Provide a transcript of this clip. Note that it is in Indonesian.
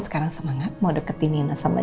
sekarang semangat mau deketin sama